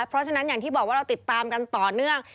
เพราะฉะนั้นอย่างที่บอกว่าเราติดตามกันต่อเนื่อง